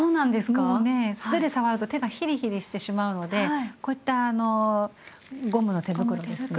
もうね素手で触ると手がひりひりしてしまうのでこういったゴムの手袋ですね。